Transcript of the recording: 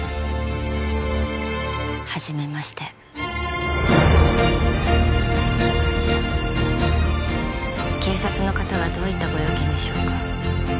はじめまして警察の方がどういったご用件でしょうか？